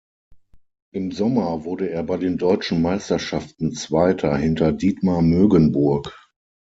Im Sommer wurde er bei den Deutschen Meisterschaften Zweiter hinter Dietmar Mögenburg.